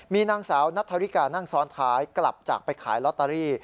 มีนางสาวนัทธริกานั่งซ้อนท้ายกลับจากไปขายลอตเตอรี่